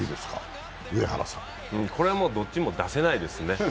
これはもう、どっちも出せないですね。